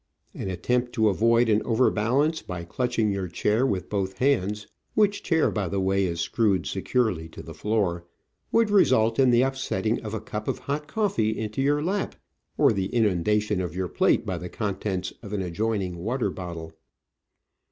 An attempt to avoid an overbalance by clutching your chair with both hands (which chair, by the way, is screwed securely to the floor) would result in the upsetting of a cup of hot coffee into your lap, or the inundation of your plate by the contents of an adjoining water bottle.